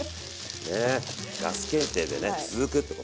ねガス検定でね続くってことで。